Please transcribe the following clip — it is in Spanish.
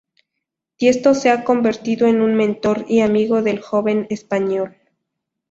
Tiesto se ha convertido en un mentor y amigo del joven español.